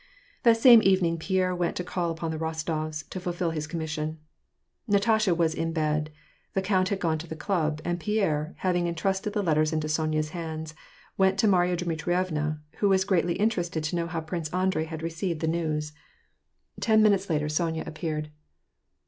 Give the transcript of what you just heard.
That same evening Pierre went to call upon the Rostofs, to fulfil his commission. Natasha was in bed, the count had gone to the club, and Pierre, having intrusted the letters into Sonya's hands, went to Marya Dmitrievna, who was greatly interested to know how Prince Andrei had received the news. 390 WAR AND PEACE. Ten minutes later, Sonya appeared.